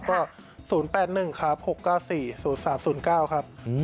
ก็เบอร์โทรศัพท์ก็๐๘๑๖๕๕๖๙๔๐๓๐๙ครับ